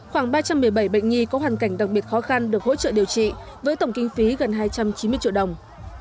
khoảng ba trăm một mươi bảy bệnh nhi có hoàn cảnh đặc biệt khó khăn được hỗ trợ điều trị với tổng kinh phí gần hai trăm chín mươi triệu đồng